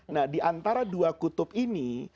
nah diantara dua kutub ini